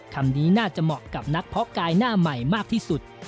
คำนี้น่าจะเหมาะกับนักเพาะกายหน้าใหม่มากที่สุด